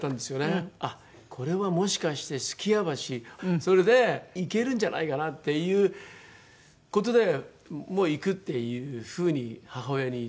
あっこれはもしかして数寄屋橋それで行けるんじゃないかなっていう事で「行く」っていう風に母親に言って。